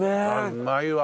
うまいわ。